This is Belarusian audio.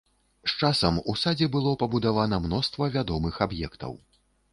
З часам у садзе было пабудавана мноства вядомых аб'ектаў.